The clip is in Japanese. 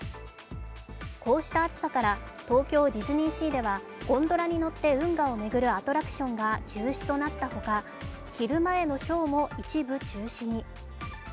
こうした暑さから東京ディズニーシーではゴンドラに乗って運河を巡るアトラクションが休止となったほか、昼前のショーも一部中止に。